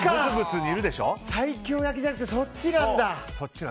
西京焼きじゃなくてそっちなんだ。